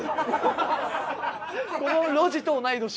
この路地と同い年？